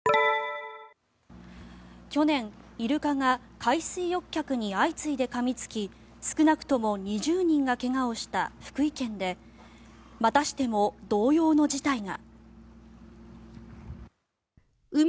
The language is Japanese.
去年、イルカが海水浴客に相次いでかみつき少なくとも２０人が怪我をした福井県でまたしても同様の事態が。